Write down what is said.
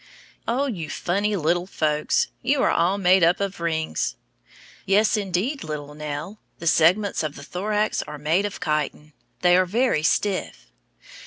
Oh, you funny little folks! you are all made up of rings. Yes, indeed, little Nell, the segments of the thorax are made of chitin; they are very stiff.